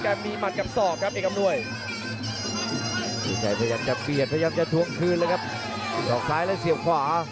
แข่งขวาของวิทยาชัยเดี๋ยวมาคืนด้วยแข่งขวา